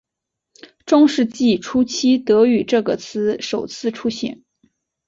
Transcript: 中世纪初期德语这个词首次出现。